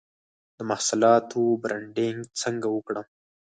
د محصولاتو برنډینګ څنګه وکړم؟